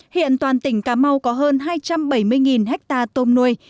hiện toàn tỉnh cà mau có hơn hai trăm bảy mươi ha tôm nuôi